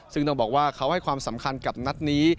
ซึ่งต้องบอกว่าเขาให้ความสำคัญกับนัดนี้